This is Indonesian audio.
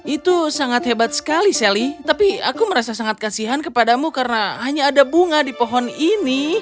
itu sangat hebat sekali sally tapi aku merasa sangat kasihan kepadamu karena hanya ada bunga di pohon ini